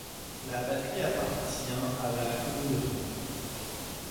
La batterie appartient à la commune de Fontain.